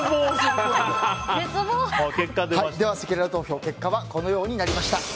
せきらら投票、結果はこのようになりました。